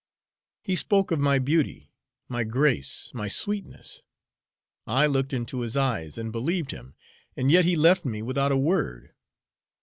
HE spoke of my beauty, my grace, my sweetness! I looked into his eyes and believed him. And yet he left me without a word!